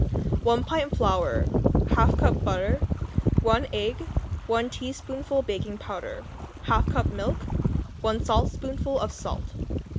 1 pint flour. 1/2 cup butter. 1 egg. 1 teaspoonful baking powder. 1/2 cup milk. 1 saltspoonful of salt.